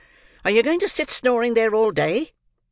"Are you going to sit snoring there, all day?"